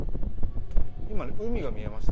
今ね海が見えました。